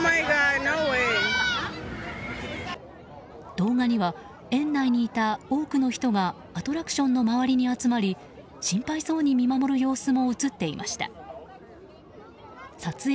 動画には園内にいた多くの人がアトラクションの周りに集まり心配そうに見守る様子も映っていました。